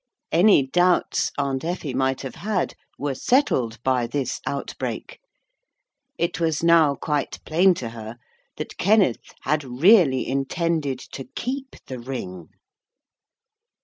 Any doubts Aunt Effie might have had were settled by this outbreak. It was now quite plain to her that Kenneth had really intended to keep the ring.